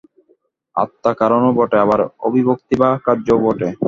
আত্মা কারণও বটে, আবার অভিব্যক্তি বা কার্যও বটে।